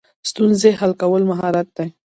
ستونزې حل کول مهارت دی